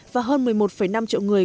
và hơn một mươi một năm triệu người